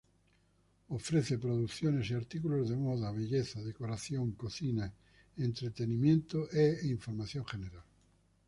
Ofrece producciones y artículos de moda, belleza, decoración, cocina, entretenimiento e información general.